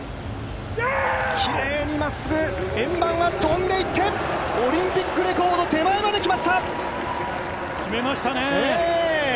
キレイに真っすぐ円盤は飛んで行ってオリンピックレコード手前ま決めましたね。